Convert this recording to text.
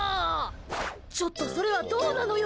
ちょっとそれはどうなのよ。